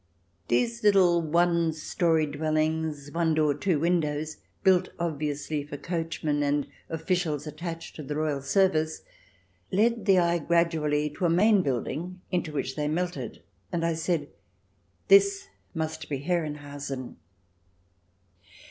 These little one storied dwellings, one door, two windows, built obviously for coachmen and officials attached to the royal service, led the eye gradually up to a main building into which they melted, and I said :" This must be Herrenhausen."